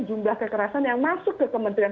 jumlah kekerasan yang masuk ke kementerian